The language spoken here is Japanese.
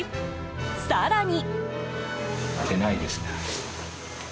更に。